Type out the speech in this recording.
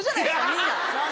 みんな。